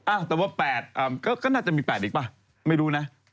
แต่ว่า๘ก็น่าจะมี๘อีกป่ะไม่รู้นะ